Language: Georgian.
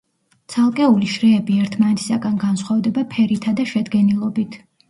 ცალკეული შრეები ერთმანეთისაგან განსხვავდება ფერითა და შედგენილობით.